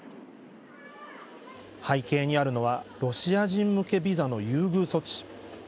背景にあるのはロシア人向けビザの優遇措置。